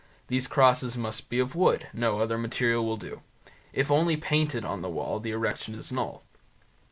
These crosses must be of wood; no other material will do. If only painted on the wall the erection is null (Cong.